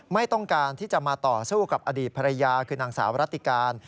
ไม่ต้องการที่จะมาต่อสู้กับอดีตภรรยาคือนางสาวรัติการ